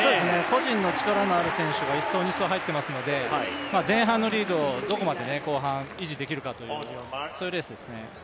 個人の力のある選手が１走、２走入ってますので前半のリードをどこまで後半、維持できるかというレースですね。